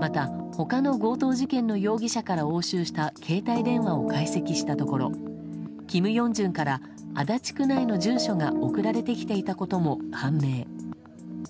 また、他の強盗事件の容疑者から押収した携帯電話を解析したところキム・ヨンジュンから足立区内の住所が送られてきていたことも判明。